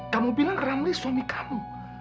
kamu bilang ramli suami kamu